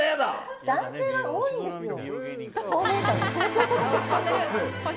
男性は多いんですよ。